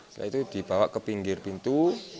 setelah itu dibawa ke pinggir pintu